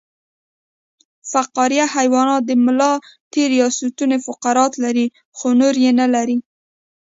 فقاریه حیوانات د ملا تیر یا ستون فقرات لري خو نور یې نلري